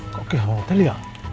kok ke hotel ya